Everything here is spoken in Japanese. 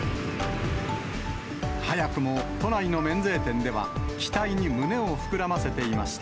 早くも都内の免税店では、期待に胸をふくらませていました。